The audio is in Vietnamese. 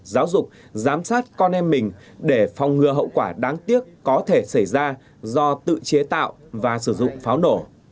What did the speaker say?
giáo dục giám sát con em mình để phòng ngừa hậu quả đáng tiếc có thể xảy ra do tự chế tạo và sử dụng pháo nổ